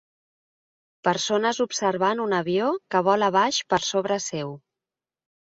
Persones observant un avió que vola baix per sobre seu.